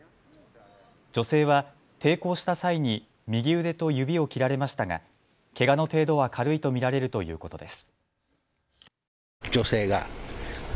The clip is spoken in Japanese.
女性は抵抗した際に右腕と指を切られましたが、けがの程度は軽いと見られるということです。